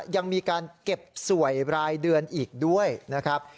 ยังมีการเก็บสวยรายเดือนอีกด้วยนะครับ